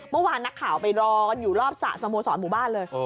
เมื่อวานนักข่าวไปรอกันอยู่รอบสระสโมสรหมู่บ้านเลย